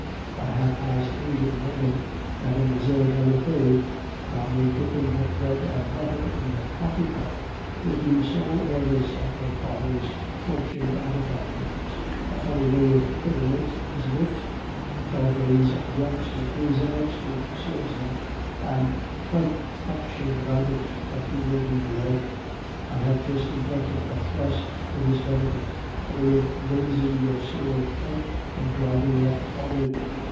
By half past eight in the morning Mlle. Taillefer, calmly dipping her bread and butter in her coffee cup, will be sole heiress of her father's fortune and affections. A funny way of putting it, isn't it? Taillefer's youngster is an expert swordsman, and quite cocksure about it, but he will be bled; I have just invented a thrust for his benefit, a way of raising your sword point and driving it at the forehead.